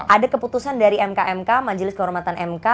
ada keputusan dari mk mk majelis kehormatan mk